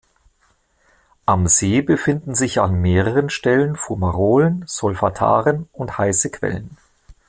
Am See befinden sich an mehreren Stellen Fumarolen, Solfataren und heiße Quellen.